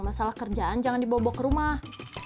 masalah kerjaan jangan dibawa bawa ke rumah